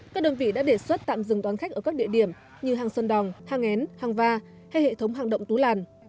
các đơn vị đã đề xuất tạm dừng đón khách ở các địa điểm như hàng sơn đòn hàng én hàng va hay hệ thống hàng động tú làn